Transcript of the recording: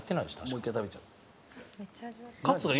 もう一回食べちゃう。